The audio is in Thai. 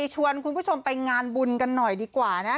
ชวนคุณผู้ชมไปงานบุญกันหน่อยดีกว่านะ